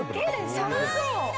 寒そう！